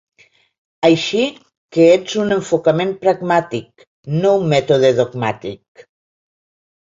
Així que ets un enfocament pragmàtic, no un mètode dogmàtic.